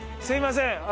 すいません。